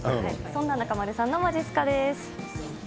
そんな中丸さんのまじっすかです。